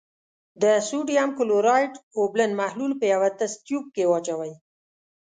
د سوډیم کلورایډ اوبلن محلول په یوه تست تیوب کې واچوئ.